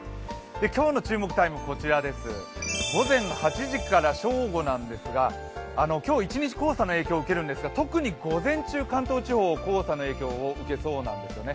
今日の注目タイム、こちらです、午前８時から正午なんですが、今日一日、黄砂の影響を受けるんですが特に午前中、関東地方黄砂の影響を受けそうなんですね。